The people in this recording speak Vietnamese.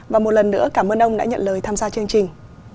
và một lần nữa cảm ơn ông đã nhận lời tham gia chương trình